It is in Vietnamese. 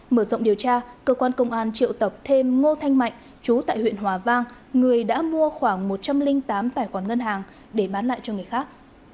mở rộng điều tra cơ quan công an triệu tập thêm ngô thanh mạnh chú tại huyện hòa vang người đã mua khoảng một trăm linh tám tài khoản ngân hàng để bán lại cho người khác